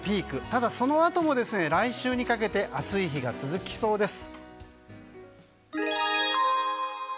ただ、そのあとも来週にかけて暑い日が続きそうです。